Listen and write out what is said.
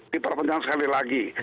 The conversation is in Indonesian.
diperpenjang sekali lagi